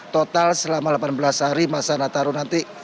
total selama delapan belas hari masa nataru nanti